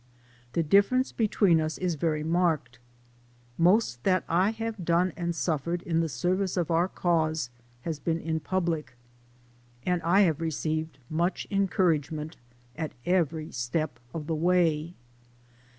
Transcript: The difference between us is very marked. Most that I have done and suffered in the service of our cause has been in public, and I have received much encour agement at every step of the way.